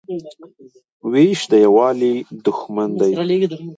وېش د یووالي دښمن دی.